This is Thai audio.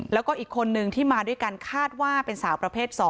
แล้วก็อีกคนนึงที่มาด้วยกันคาดว่าเป็นสาวประเภท๒